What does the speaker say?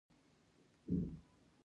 هند افغان محصلینو ته بورسونه ورکوي.